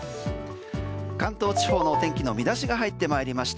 関東地方の天気の見出しが入ってまいりました。